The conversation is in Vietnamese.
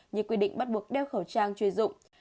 như quy định bắt buộc đeo khẩu trang chuyên dụng